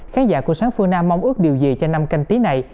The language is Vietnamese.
khán giả của sáng phương nam mong ước điều gì cho năm canh tí này